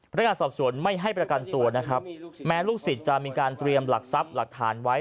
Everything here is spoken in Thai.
พนักงานสอบสวนไม่ให้ประกันตัวนะครับแม้ลูกศิษย์จะมีการเตรียมหลักทรัพย์หลักฐานไว้